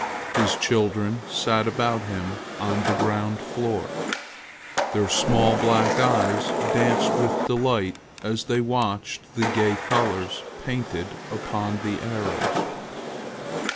His children sat about him on the ground floor. Their small black eyes danced with delight as they watched the gay colors painted upon the arrows.